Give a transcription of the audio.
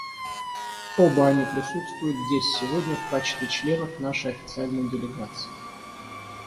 Оба они присутствуют здесь сегодня в качестве членов нашей официальной делегации.